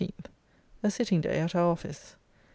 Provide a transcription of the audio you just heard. A sitting day at our office.